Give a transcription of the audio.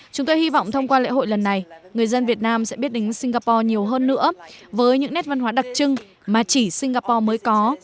chúng tôi hy vọng thông qua lễ hội lần này người dân việt nam sẽ biết đến singapore nhiều hơn nữa với những nét văn hóa đặc trưng mà chỉ singapore mới có